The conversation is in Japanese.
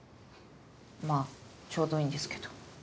まあちょうどいいんですけど。